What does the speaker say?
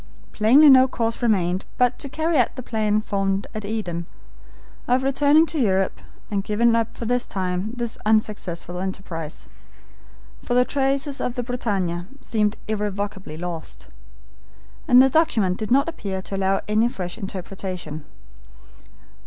Plainly no course remained but to carry out the plan formed at Eden, of returning to Europe and giving up for the time this unsuccessful enterprise, for the traces of the BRITANNIA seemed irrevocably lost, and the document did not appear to allow any fresh interpretation.